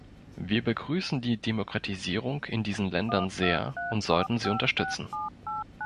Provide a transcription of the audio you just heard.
Wir begrüßen die Demokratisierung in diesen Ländern sehr und sollten sie unterstützen.